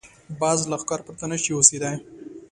باز له ښکار پرته نه شي اوسېدای